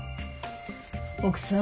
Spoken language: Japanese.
奥さん